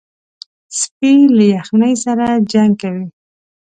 سپي له یخنۍ سره جنګ کوي.